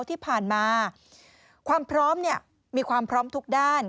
ที่ผ่านมาความพร้อมมีความพร้อมทุกด้าน